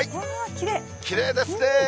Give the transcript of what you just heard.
ーきれいですね。